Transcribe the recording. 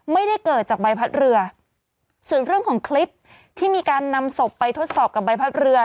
ไม่ได้เกิดจากใบพัดเรือส่วนเรื่องของคลิปที่มีการนำศพไปทดสอบกับใบพัดเรือ